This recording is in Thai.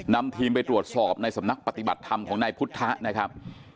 นำทีมไปตรวจสอบในสำนักปฏิบัติธรรมของนายพุทธะนะครับ